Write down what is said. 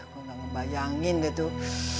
kok gak ngebayangin deh tuh